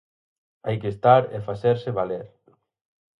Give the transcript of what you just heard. Hai que estar e facerse valer.